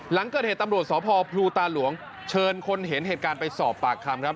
หลังเกิดเหตุตำรวจสพพลูตาหลวงเชิญคนเห็นเหตุการณ์ไปสอบปากคำครับ